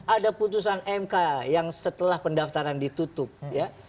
ada putusan mk yang setelah pendaftaran ditutup ya